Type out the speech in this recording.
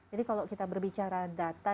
jadi kalau kita berbicara data